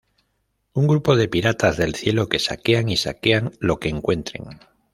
Un grupo de piratas del cielo que saquean y saquean lo que encuentren.